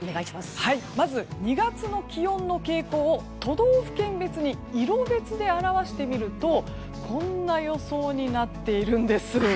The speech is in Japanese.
まず、２月の気温の傾向を都道府県別に色別で表してみるとこんな予想になっているんです。